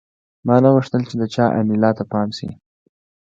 ما نه غوښتل چې د چا انیلا ته پام شي